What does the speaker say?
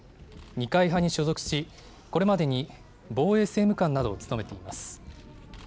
二階派に所属し、これまでに防衛政務官などを務めています。